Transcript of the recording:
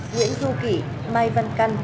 nguyễn du kỷ mai văn căn